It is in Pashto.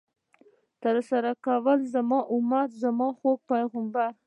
ترسره کړئ، زما امت ، خوږ پیغمبر